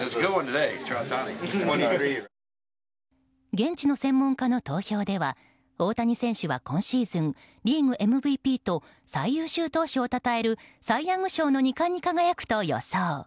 現地の専門家の投票では大谷選手は今シーズンリーグＭＶＰと最優秀賞投手をたたえるサイ・ヤング賞の２冠に輝くと予想。